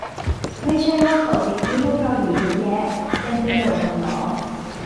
ไม่ใช่ว่าเขาติดหนี้พวกเราอยู่เยอะแยะเต็มไปหมดหรอกหรอ ?